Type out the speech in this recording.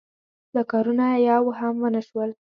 دا کارونه یو هم ونشول.